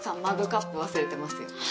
マグカップ忘れてますよ。